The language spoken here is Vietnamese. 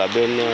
ở bên phía